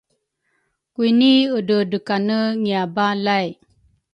Kwini edredrekane ngiabalay